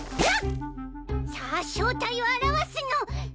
さあ正体を現すの。